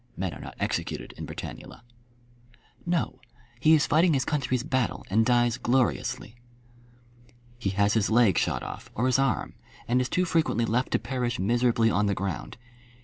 Men are not executed in Britannula. "No. He is fighting his country's battle and dies gloriously." "He has his leg shot off, or his arm, and is too frequently left to perish miserably on the ground.